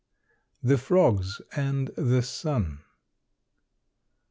THE FROGS AND THE SUN.